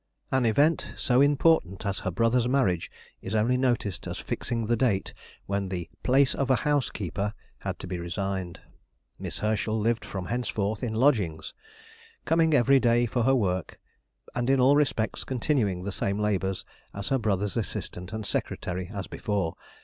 An event so important as her brother's marriage is only noticed as fixing the date when the "place of a housekeeper" had to be resigned. Miss Herschel lived from henceforth in lodgings, coming every day for her work, and in all respects continuing the same labours as her brother's assistant and secretary as before.